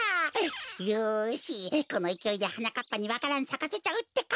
よしこのいきおいではなかっぱにわか蘭さかせちゃうってか！